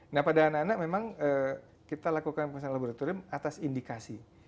nah pada anak anak memang kita lakukan pemeriksaan laboratorium atas indikasi